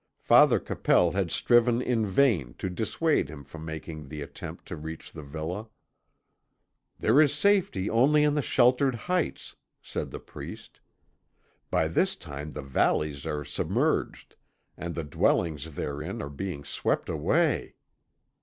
Father Capel had striven in vain to dissuade him from making the attempt to reach the villa. "There is safety only in the sheltered heights," said the priest. "By this time the valleys are submerged, and the dwellings therein are being swept away.